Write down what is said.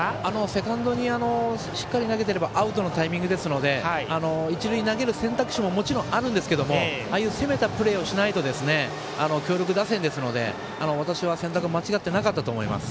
セカンドにしっかり投げていればアウトのタイミングですので一塁に投げる選択肢ももちろんあるんですけれどもああいう攻めたプレーをしないと強力打線ですので、私は選択間違ってなかったと思います。